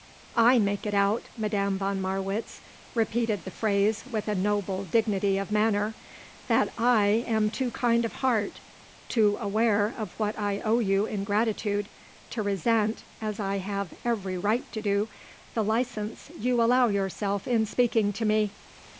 "I make it out," Madame von Marwitz repeated the phrase with a noble dignity of manner, "that I am too kind of heart, too aware of what I owe you in gratitude, to resent, as I have every right to do, the license you allow yourself in speaking to me."